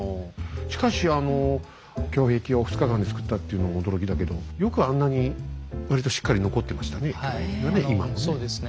しかし胸壁を２日間で造ったっていうのも驚きだけどよくあんなに割としっかり残ってましたね